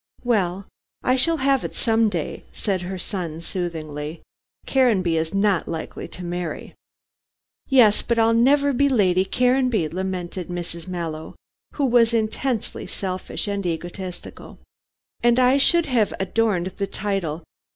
"Well, I shall have it some day," said her son soothingly. "Caranby is not likely to marry." "Yes, but I'll never be Lady Caranby," lamented Mrs. Mallow, who was intensely selfish and egotistical. "And I should have adorned the title.